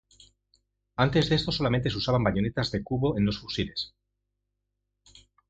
Antes de esto solamente se usaban bayonetas "de cubo" en los fusiles.